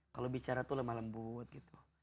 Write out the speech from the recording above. kalau bicara tuh lemah lembut gitu